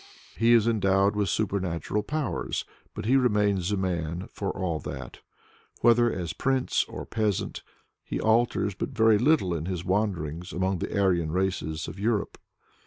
He is endowed with supernatural powers, but he remains a man, for all that. Whether as prince or peasant, he alters but very little in his wanderings among the Aryan races of Europe.